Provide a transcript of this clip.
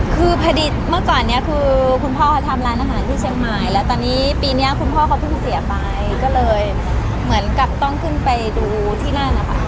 คือพอดีเมื่อก่อนเนี้ยคือคุณพ่อเขาทำร้านอาหารที่เชียงใหม่แล้วตอนนี้ปีนี้คุณพ่อเขาเพิ่งเสียไปก็เลยเหมือนกับต้องขึ้นไปดูที่นั่นนะคะ